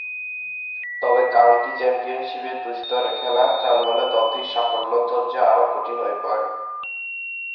তবে, কাউন্টি চ্যাম্পিয়নশীপে দুই স্তরের খেলা চালু হলে দলটির সাফল্যের দরজা আরও কঠিন হয়ে পড়ে।